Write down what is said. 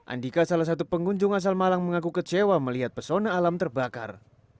andika salah satu pengunjung asal malang mengaku kecewa melihat pesona alam terbakar